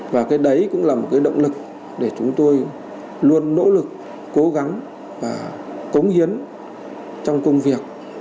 và cái đấy cũng là một cái động lực để chúng tôi luôn nỗ lực cố gắng và cống hiến trong công việc